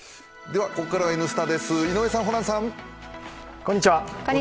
では、ここからは「Ｎスタ」です井上さん、ホランさん。